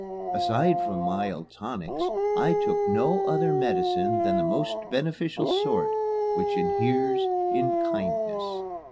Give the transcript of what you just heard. Aside from mild tonics I took no other medicine than that most beneficial sort which inheres in kindness.